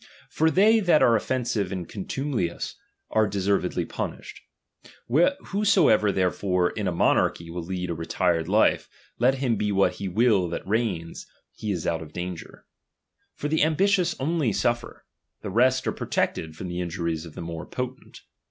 For tliey that are offensive and contumelious, are de servedly punished. Whosoever therefore in a mo ^archy will lead a retired life, let him be what he will that reigns, he is out of danger. For the am t* i tious only suffer ; the rest are protected from the i^tijuries of the more potent.